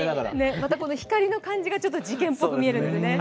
またこの光の感じが事件っぽく見えるんでね。